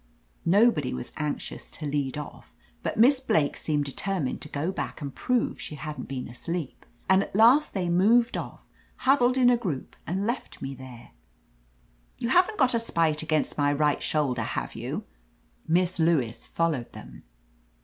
Nobody was anxious to lead off, but Miss Blake seemed determined to go back and prove she hadn't been asleep, and at last they moved off huddled in a group and left me there. (You haven't got a spite against my right shoulder, have you?)^ Miss Lewis followed them."